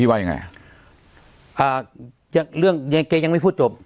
พี่ว่าอย่างไรอ่าจากเรื่องแกยังไม่พูดจบ